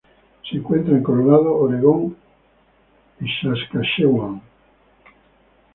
Se encuentra en Colorado Oregon y Saskatchewan.